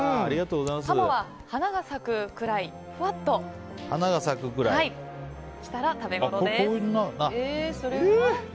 ハモは花が咲くくらいふわっとしたら食べごろです。